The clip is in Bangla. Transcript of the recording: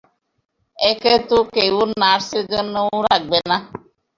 একে তো কেউ নার্সের জন্যেও রাখবে না!